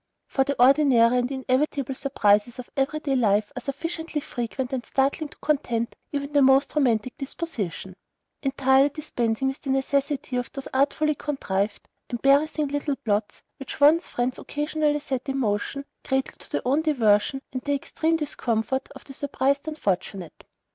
For the ordinary and inevitable surprises of every day life are sufficiently frequent and startling to content even the most romantic disposition; entirely dispensing with the necessity of those artfully contrived, embarrassing little plots which one's friends occasionally set in motion, greatly to their own diversion and the extreme discomfort of the surprised unfortunate.